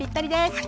はい。